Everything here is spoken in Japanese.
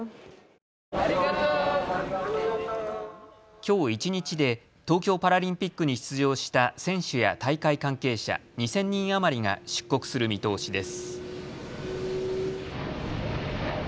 きょう一日で東京パラリンピックに出場した選手や大会関係者、２０００人余りが出国する見通しです。